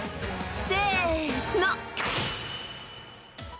［せの］